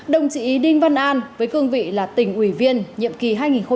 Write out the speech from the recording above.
đồng chí đinh văn an với cương vị là tỉnh ủy viên nhiệm kỳ hai nghìn một mươi năm hai nghìn hai mươi năm